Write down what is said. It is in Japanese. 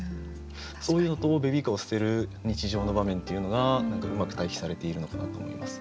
そういうのとベビーカーを捨てる日常の場面というのが何かうまく対比されているのかなと思います。